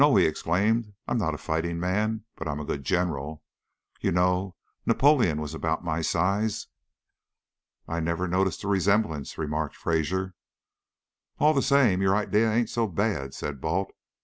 he exclaimed. "I'm not a fighting man, but I'm a good general. You know, Napoleon was about my size." "I never noticed the resemblance," remarked Fraser. "All the same, your idea ain't so bad," said Balt.